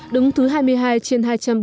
đứng thứ hai mươi hai trên hai trăm bốn mươi